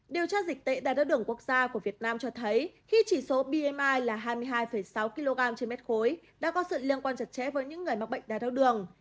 điều tra dịch tễ đai thác đường quốc gia của việt nam cho thấy khi chỉ số bmi là hai mươi hai sáu kg trên mét khối đã có sự liên quan chặt chẽ với những người mắc bệnh đai thác đường